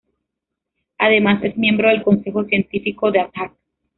Además, es miembro del consejo científico de Attac.